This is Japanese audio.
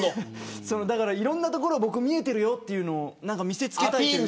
いろんなところ僕見えてるよというのを見せ付けたい。